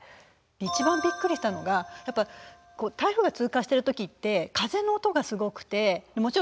一番びっくりしたのがやっぱ台風が通過してる時って風の音がすごくてもちろん外にも出れない。